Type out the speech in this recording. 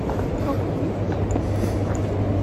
Fukkent-tt?